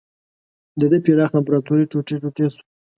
د ده پراخه امپراتوري ټوټې ټوټې شوه.